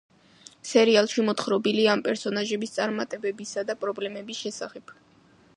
სერიალში მოთხრობილია ამ პერსონაჟების წარმატებებისა და პრობლემების შესახებ.